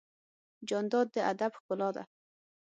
جانداد د ادب ښکلا ده.